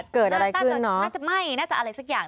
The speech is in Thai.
เกิดอะไรขึ้นนอน่าจะไม่น่าจะอะไรสักอย่าง